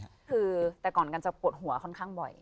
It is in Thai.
คือแต่ก่อนกันจะปวดหัวค่อนข้างบ่อย